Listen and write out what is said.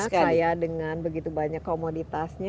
kaya dengan begitu banyak komoditasnya